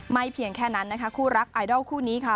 เพียงแค่นั้นนะคะคู่รักไอดอลคู่นี้ค่ะ